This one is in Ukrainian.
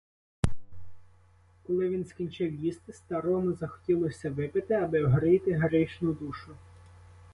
Коли він скінчив їсти, старому захотілося випити, аби огріти грішну душу.